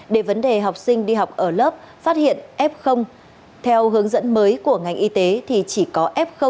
để vấn đề học sinh đi học ở lớp phát hiện f theo hướng dẫn mới của ngành y tế thì chỉ có f